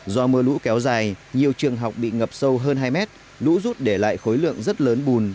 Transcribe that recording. do mưa lũ kéo dài nhiều trường học bị ngập sâu hơn hai mét lũ rút để lại khối lượng rất lớn bùn